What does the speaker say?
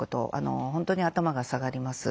本当に頭が下がります。